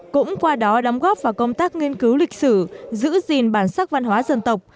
cũng qua đó đóng góp vào công tác nghiên cứu lịch sử giữ gìn bản sắc văn hóa dân tộc